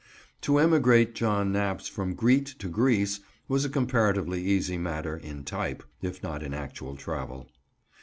To emigrate John Naps from Greet to Greece was a comparatively easy matter, in type, if not in actual travel.